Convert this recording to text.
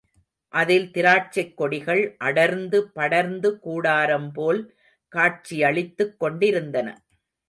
அதில் திராட்சைக் கொடிகள் அடர்ந்து, படர்ந்து கூடாரம் போல் காட்சியளித்துக் கொண்டிருந்தன.